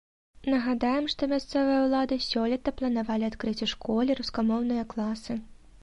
Нагадаем, што мясцовыя ўлады сёлета планавалі адкрыць у школе рускамоўныя класы.